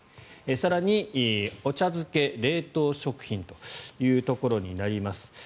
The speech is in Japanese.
更にお茶づけ、冷凍食品というところになります。